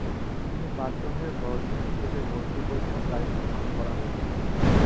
তাই বাধ্য হয়ে বড়দিনের ছুটিতে ভর্তি পরীক্ষার তারিখ নির্ধারণ করা হয়েছে।